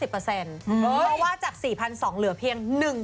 เพราะว่าจาก๔๒๐๐เหลือเพียง